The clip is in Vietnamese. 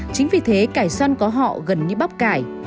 chính vì thế cải xoăn có họ gần như bóc cải